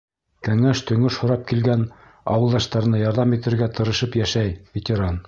Кәңәш-төңәш һорап килгән ауылдаштарына ярҙам итергә тырышып йәшәй ветеран.